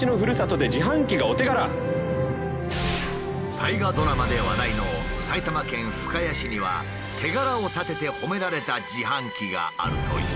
大河ドラマで話題の埼玉県深谷市には手柄を立てて褒められた自販機があるという。